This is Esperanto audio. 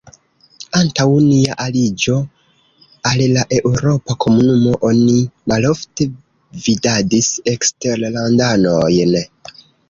Antaŭ nia aliĝo al la eŭropa komunumo, oni malofte vidadis eksterlandanojn.